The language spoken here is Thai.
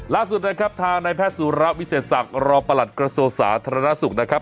ล่าสุดนะครับทางนายแพทย์สุระวิเศษศักดิ์รองประหลัดกระทรวงสาธารณสุขนะครับ